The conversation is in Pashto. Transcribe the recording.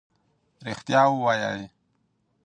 ریښتیا ووایئ.